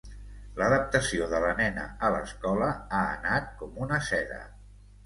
L'adaptació de la nena a l'escola ha anat com una seda.